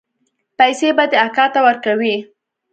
پيسې به دې اکا ته ورکوې.